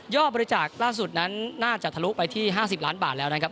บริจาคล่าสุดนั้นน่าจะทะลุไปที่๕๐ล้านบาทแล้วนะครับ